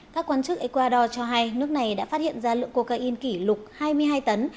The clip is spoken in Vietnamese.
các quan chức ecuador cho hay nước này đã phát hiện ra lượng cocaine kỷ lục hai mươi hai tấn